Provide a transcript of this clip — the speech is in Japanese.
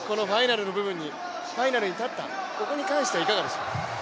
このファイナルに立った、ここに関してはいかがですか？